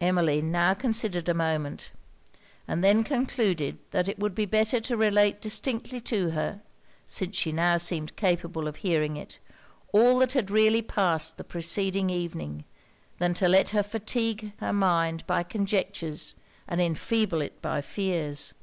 Emmeline now considered a moment; and then concluded that it would be better to relate distinctly to her, since she now seemed capable of hearing it, all that had really passed the preceding evening, than to let her fatigue her mind by conjectures, and enfeeble it by fears.